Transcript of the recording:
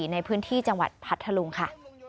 ในพื้นที่จังหวัดพัทธลุงค่ะ